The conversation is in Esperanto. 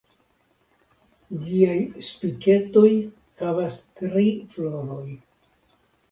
Ĝiaj Spiketoj havas tri floroj.